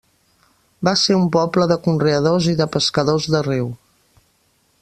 Va ser un poble de conreadors i de pescadors de riu.